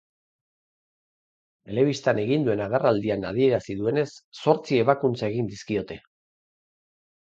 Telebistan egin duen agerraldian adierazi duenez, zortzi ebakuntza egin dizkiote.